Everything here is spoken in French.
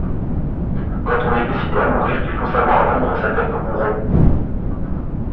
Quand on est décidé à mourir, il faut savoir vendre sa tête au bourreau.